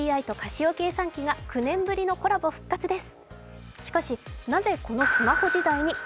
９年ぶりのコラボ復活です。